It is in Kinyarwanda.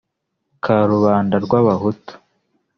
ka rubanda rw abahutu